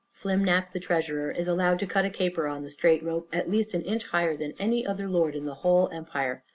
Flimnap, the treasurer, is allowed to cut a caper on the strait rope at least an inch higher than any other lord in the whole empire.